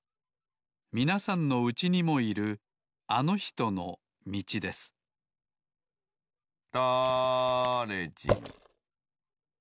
みなさんのうちにもいるあのひとのみちですだれじんだれじん